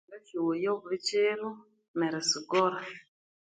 Thukasyowaya obulikyiro neri sigora.